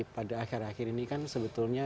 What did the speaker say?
pada akhir akhir ini kan sebetulnya